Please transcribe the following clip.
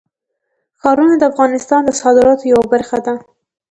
ښارونه د افغانستان د صادراتو یوه برخه ده.